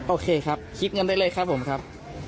โอเคครับคิดเงินได้เลยครับผมครับ